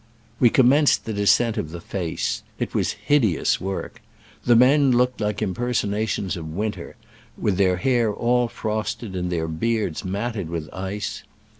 We commenced the descent of the face. It was hideous work. The men looked like impersonations of Winter, with their hair all frosted and their beards matted with ice.